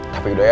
tapi udah ya